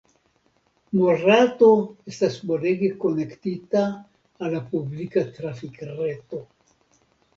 Morato estas bonege konektita al la publika trafikreto.